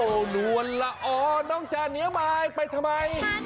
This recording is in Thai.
โอ้โหนวลละอ๋อน้องจาเหนียวมายไปทำไม